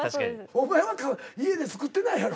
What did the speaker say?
お前は家で作ってないやろ？